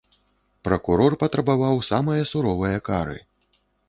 Пракурор патрабаваў самае суровае кары.